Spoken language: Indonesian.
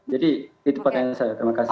itu pertanyaan saya terima kasih